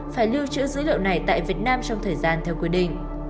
phải lưu trữ dữ liệu này tại việt nam trong thời gian theo quy định